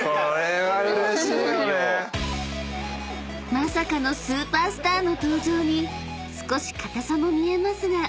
［まさかのスーパースターの登場に少し硬さも見えますが早速］